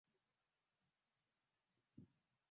Dadake ni Daktari.